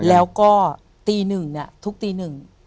แล้วก็ตีหนึ่งเนี่ยทุกตีหนึ่ง